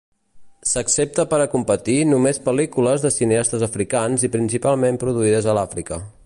S'accepta per a competir només pel·lícules de cineastes africans i principalment produïdes a l'Àfrica.